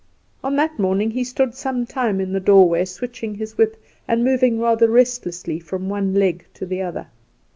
On that morning he stood some time in the doorway switching his whip, and moving rather restlessly from one leg to the other.